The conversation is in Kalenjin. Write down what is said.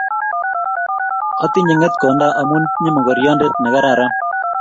otinye ngetkongta amu itinye mokorionde ne kararan